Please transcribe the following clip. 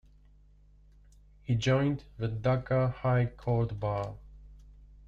He joined the Dhaka High Court Bar.